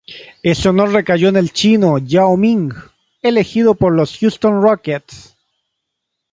Ese honor recayó en el chino Yao Ming, elegido por los Houston Rockets.